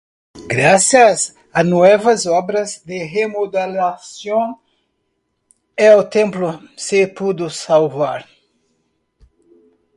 Gracias a nuevas obras de remodelación, el templo se pudo salvar.